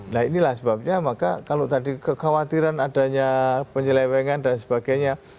nah inilah sebabnya maka kalau tadi kekhawatiran adanya penyelewengan dan sebagainya